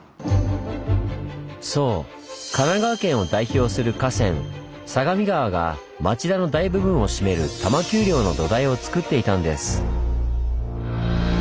そう神奈川県を代表する河川相模川が町田の大部分を占める多摩丘陵の土台をつくっていたんです。